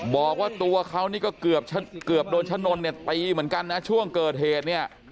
บอกว่าตัวเขานี่ก็เกือบโดนชะนนเนี่ยตีเหมือนกันนะช่วงเกิดเหตุเนี่ย